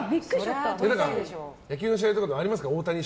野球の試合とかでもありますよね。